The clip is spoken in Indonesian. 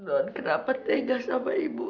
non kenapa tega sama ibu